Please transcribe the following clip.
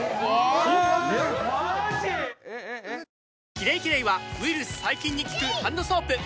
「キレイキレイ」はウイルス・細菌に効くハンドソープ！